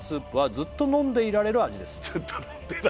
ずっと飲んでいられる味